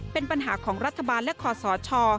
เป็นปัญหาของรัฐบาลและคอสช